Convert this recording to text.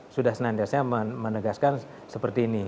sudah senantiasa menegaskan seperti ini